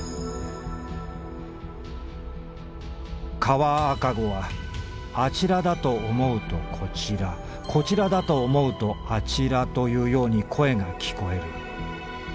「川赤子はあちらだとおもうとこちらこちらだとおもうとあちらというように声が聞こえる。